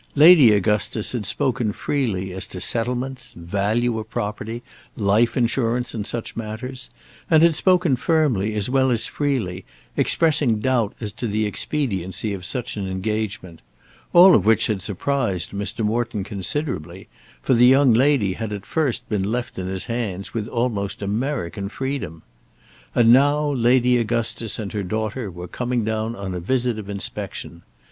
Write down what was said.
Lady Augustus had spoken freely as to settlements, value of property, life insurance and such matters; and had spoken firmly, as well as freely, expressing doubt as to the expediency of such an engagement; all of which had surprised Mr. Morton considerably, for the young lady had at first been left in his hands with almost American freedom. And now Lady Augustus and her daughter were coming down on a visit of inspection.